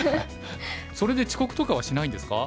それで遅刻とかはしないんですか？